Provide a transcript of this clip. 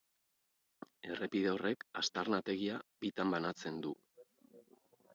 Errepide horrek aztarnategia bitan banatzen du.